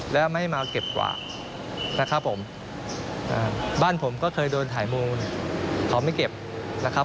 แล้วไม่มาเก็บกว่านะครับผมบ้านผมก็เคยโดนถ่ายมูลเขาไม่เก็บนะครับ